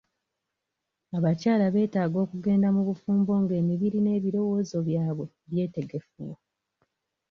Abakyala betaaga okugenda mu bufumbo nga emibiri n'ebirowozo byabwe byetegefu.